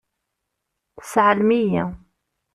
Seɛlem-iyi.